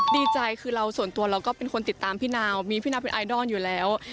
ดีใจคือเราส่วนตัวเราก็เป็นคนติดตามพี่นาวมีพี่นาวเป็นไอดอลอยู่แล้ว